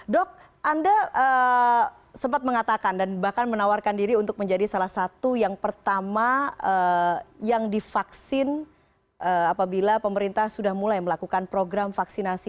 dok anda sempat mengatakan dan bahkan menawarkan diri untuk menjadi salah satu yang pertama yang divaksin apabila pemerintah sudah mulai melakukan program vaksinasi